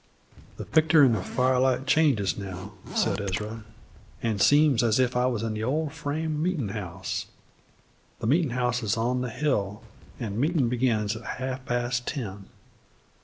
"The pictur' in the firelight changes now," said Ezra, "an' seems as if I wuz in the old frame meetin' house. The meetin' house is on the hill, and meetin' begins at half pas' ten.